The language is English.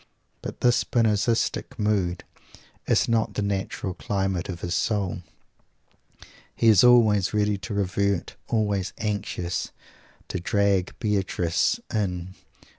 But this Spinozistic mood is not the natural climate of his soul. He is always ready to revert, always anxious to "drag Beatrice in."